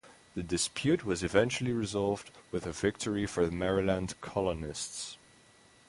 The dispute was eventually resolved with a victory for the Maryland colonists.